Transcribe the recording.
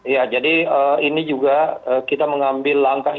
ya jadi ini juga kita mengambil langkah